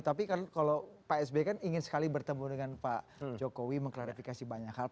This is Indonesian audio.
tapi kalau pak sby kan ingin sekali bertemu dengan pak jokowi mengklarifikasi banyak hal